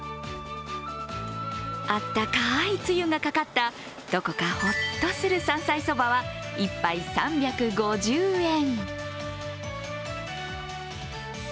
温かいつゆがかかったどこかほっとする山菜そばは１杯３５０円。